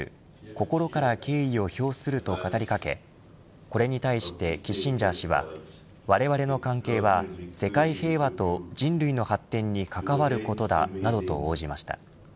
心から敬意を表する、と語りかけこれに対してキッシンジャー氏はわれわれの関係は世界平和と人類の発展に関わることだなどと応じました。